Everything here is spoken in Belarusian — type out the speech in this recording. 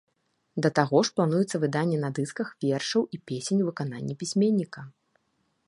Да таго ж плануецца выданне на дысках вершаў і песень ў выкананні пісьменніка.